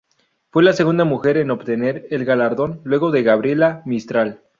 Fue la segunda mujer en obtener el galardón luego de Gabriela Mistral.